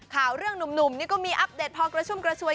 ข่าวเรื่องหนุ่มนี่ก็มีอัปเดตพอกระชุ่มกระชวย